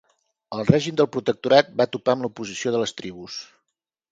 El règim del protectorat va topar amb l'oposició de les tribus.